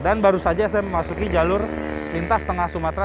dan baru saja saya memasuki jalur lintas tengah sumatera